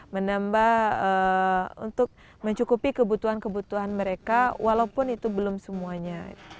menambah untuk mencukupi kebutuhan kebutuhan mereka walaupun itu belum semuanya